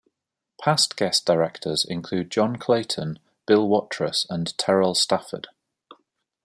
Past guest directors include John Clayton, Bill Watrous, and Terell Stafford.